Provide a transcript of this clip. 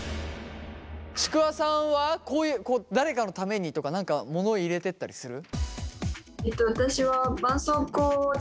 ちくわさんは誰かのためにとか何か物を入れてたりする？